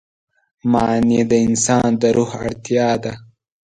معنی د انسان د روح اړتیا ده.